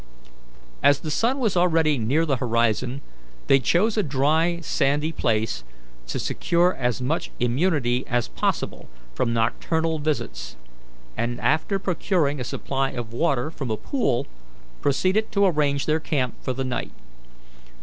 As the sun was already near the horizon, they chose a dry, sandy place, to secure as much immunity as possible from nocturnal visits, and, after procuring a supply of water from a pool, proceeded to arrange their camp for the night.